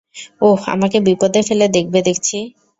ওহ, আমাকে বিপদে ফেলে দেখবে দেখছি।